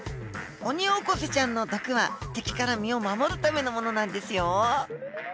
オニオコゼちゃんの毒は敵から身を守るためのものなんですよ。